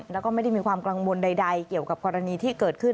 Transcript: แล้วก็ไม่ได้มีความกังวลใดเกี่ยวกับกรณีที่เกิดขึ้น